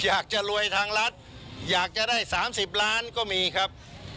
อยากจะรวยทางรัฐอยากจะได้๓๐ล้านก็มีครับ